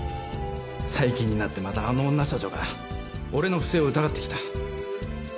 最近になってまたあの女社長が俺の不正を疑ってきた。